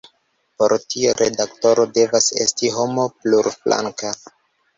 Por tio, redaktoro devas esti homo plurflanka.